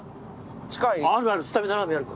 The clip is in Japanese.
近い？